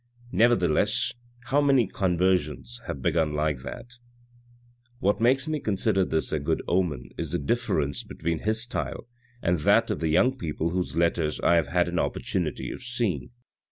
" Nevertheless how many conversions have begun like that ! What makes me consider this a good omen is the difference between his style and that of the young people whose letters I have had an opportunity of seeing.